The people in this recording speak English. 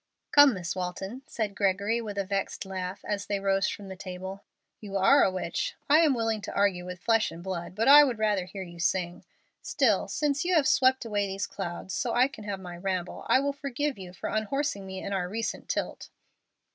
"Come, Miss Walton," said Gregory, with a vexed laugh as they rose from the table, "you are a witch. I am willing to argue with flesh and blood, but I would rather hear you sing. Still, since you have swept away these clouds so I can have my ramble, I will forgive you for unhorsing me in our recent tilt."